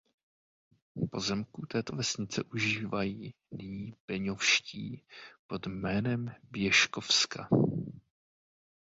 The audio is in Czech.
Pozemků této vesnice užívají nyní Beňovští pod jménem Běškovska.